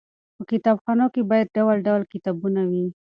په کتابخانو کې باید ډول ډول کتابونه وي.